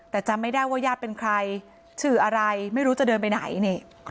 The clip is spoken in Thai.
แต่จำไม่ได้ว่าญาติเป็นใครชื่ออะไรไม่รู้จะเดินไปไหนนี่